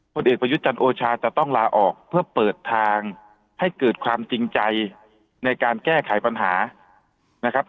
ผลเอกประยุทธ์จันทร์โอชาจะต้องลาออกเพื่อเปิดทางให้เกิดความจริงใจในการแก้ไขปัญหานะครับ